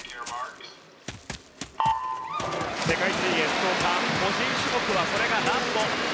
世界水泳福岡個人種目はこれがラスト。